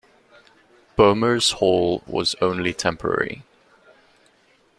Boehmer's Hall was only temporary.